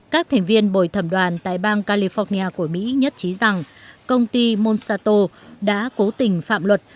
các thành viên bồi thẩm đoàn tại bang california của mỹ nhất trí rằng công ty monsato đã cố tình phạm luật